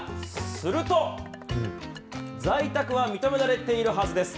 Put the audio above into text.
すると、在宅は認められているはずです。